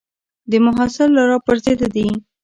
د محصل را پرځېده دي